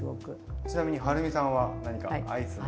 ちなみにはるみさんは何かアイスの。